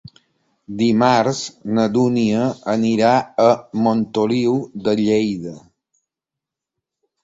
Dimarts na Dúnia anirà a Montoliu de Lleida.